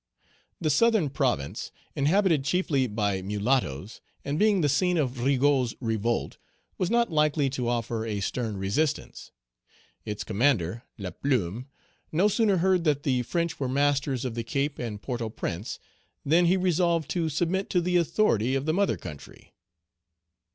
The Southern province, inhabited chiefly by mulattoes, and being the scene of Rigaud's revolt, was not likely to offer a stern resistance. Its commander, Laplume, no sooner heard that the French were masters of the Cape and Port au Prince, then he resolved to submit to the authority of the mother country.